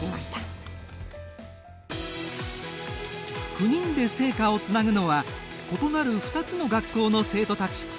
９人で聖火をつなぐのは異なる２つの学校の生徒たち。